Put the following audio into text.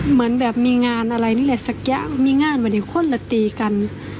เหมือนแบบมีงานอะไรนี่แหละสักอย่างมีงานมาเดี๋ยวคนละตีกัน